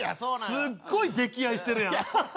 すっごい溺愛してるやんアハハ